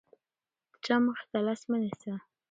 د چا مخې ته لاس مه نیسه.